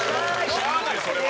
しゃあないそれは。